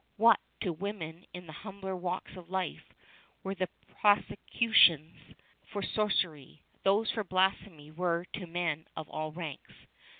What, to women in the humbler walks of life, were the prosecu tions for sorcery, those for blasphemy were to men of all ranks.